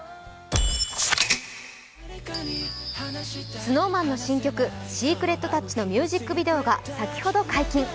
ＳｎｏｗＭａｎの新曲「ＳｅｃｒｅｔＴｏｕｃｈ」のミュージックビデオが先ほど解禁。